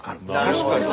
確かに。